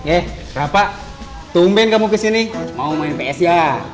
eh rafa tumpen kamu kesini mau main ps ya